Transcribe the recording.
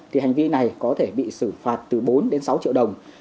thì hành vi này có thể bị xử phạt từ bốn đến sáu triệu đồng